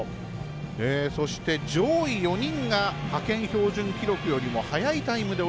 そして、上位４人が派遣標準記録よりも早いタイムで